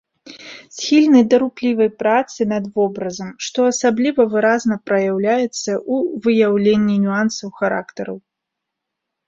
Схільны да руплівай працы над вобразам, што асабліва выразна праяўляецца ў выяўленні нюансаў характараў.